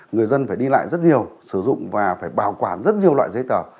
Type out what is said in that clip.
người dân phải đi lại rất nhiều sử dụng và phải bảo quản rất nhiều loại giấy tờ